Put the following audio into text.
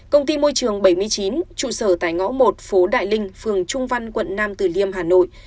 công ty môi trường bảy mươi chín trụ sở tại ngõ một phố đại linh phường trung văn quận nam từ liêm hà nội